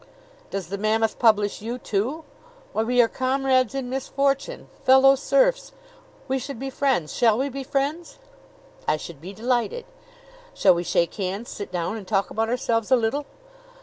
"Does the Mammoth publish you, too? Why, we are comrades in misfortune fellow serfs! We should be friends. Shall we be friends?" "I should be delighted." "Shall we shake hands, sit down, and talk about ourselves a little?"